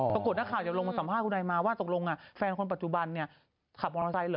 ปรากฏนักข่าวจะลงมาสัมภาษณ์คุณไอมาว่าตกลงแฟนคนปัจจุบันเนี่ยขับมอเตอร์ไซค์เหรอ